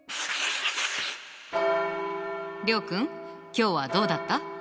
諒君今日はどうだった？